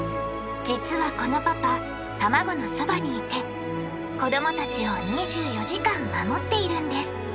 実はこのパパタマゴのそばにいて子どもたちを２４時間守っているんです。